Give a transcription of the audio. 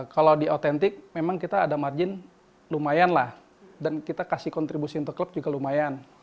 kalau di autentik memang kita ada margin lumayan lah dan kita kasih kontribusi untuk klub juga lumayan